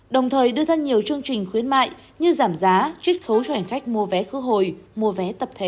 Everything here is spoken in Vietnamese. đồng thời đưa thân nhiều chương trình khuyến mại như giảm giá trích khấu cho hành khách mua vé khứ hồi mua vé tập thể